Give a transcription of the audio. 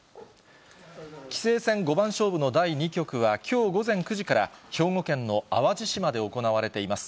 棋聖戦五番勝負の第２局は、きょう午前９時から兵庫県の淡路島で行われています。